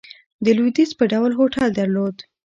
د لوېدیځ په ډول هوټل درلود.